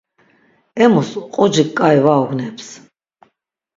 Emus qucik k̆ai va ugneps.